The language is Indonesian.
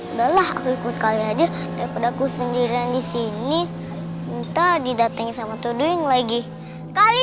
udah lah aku ikut kali aja daripada aku sendirian disini minta didatangi sama tuduyung lagi kali